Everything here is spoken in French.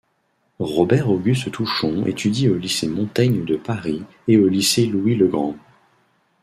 Robert-Auguste Touchon étudie au lycée Montaigne de Paris et au lycée Louis-le-Grand.